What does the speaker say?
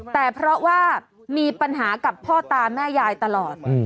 แต่เพราะว่ามีปัญหากับพ่อตาแม่ยายตลอด